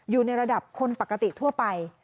อยู่ในระดับคนปกติทั่วไป